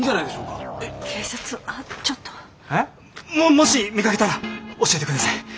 もし見かけたら教えて下さい。